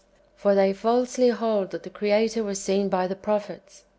For they falsely hold, that the Creator was seen by the prophets.